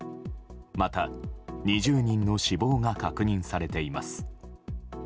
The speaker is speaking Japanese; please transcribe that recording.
また２０人の死亡が確認されています。